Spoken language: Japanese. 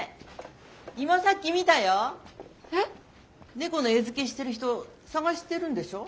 猫の餌付けしてる人捜してるんでしょう？